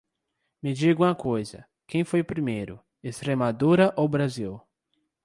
Me diga uma coisa, quem foi o primeiro, Extremadura ou o Brasil?